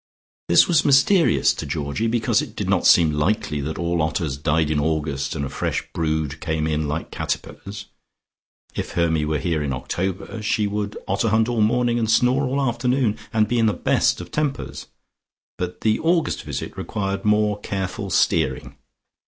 This was mysterious to Georgie, because it did not seem likely that all otters died in August, and a fresh brood came in like caterpillars. If Hermy was here in October, she would otter hunt all morning and snore all afternoon, and be in the best of tempers, but the August visit required more careful steering.